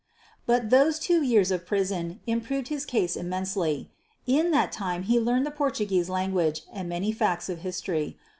But those two years of prison improved his case immensely. In that time he learned the Portuguese language and many facts of history.